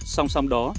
song song đó